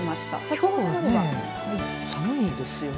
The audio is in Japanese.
きょうは寒いんですよね。